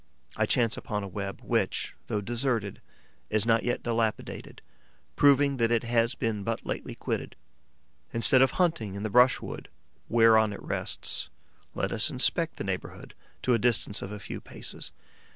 I chance upon a web which, though deserted, is not yet dilapidated, proving that it has been but lately quitted. Instead of hunting in the brushwood whereon it rests, let us inspect the neighbourhood, to a distance of a few paces.